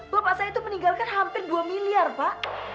loh pak saya itu meninggalkan hampir dua miliar pak